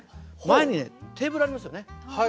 前にテーブルありますよね。